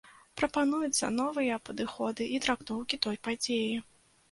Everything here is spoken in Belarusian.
Прапануюцца новыя падыходы і трактоўкі той падзеі.